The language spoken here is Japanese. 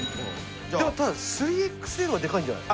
ただ３ＸＬはでかいんじゃない？